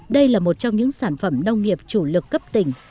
đây là một trong những sản phẩm nông nghiệp chủ lực cấp tỉnh